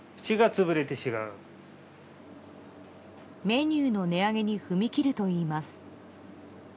メニューの値上げに踏み切るといいます。